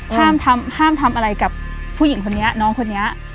ห้ามทำห้ามทำอะไรกับผู้หญิงคนนี้น้องคนนี้